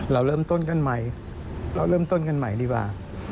เราเริ่มต้นกันใหม่เราเริ่มต้นกันใหม่ดีกว่า